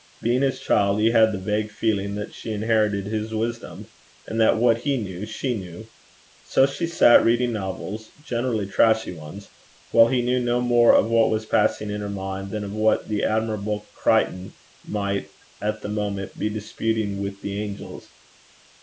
Being his child, he had the vague feeling that she inherited his wisdom, and that what he knew she knew. So she sat reading novels, generally trashy ones, while he knew no more of what was passing in her mind than of what the Admirable Crichton might, at the moment, be disputing with the angels.